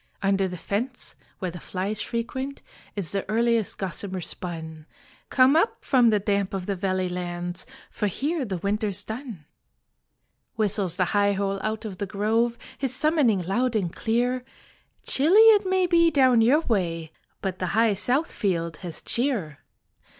Under the fence where the flies frequent Is the earliest gossamer spun. Come up from the damp of the valley lands, For here the winter's done." Whistles the high hole out of the grove His summoning loud and clear: "Chilly it may be down your way But the high south field has cheer.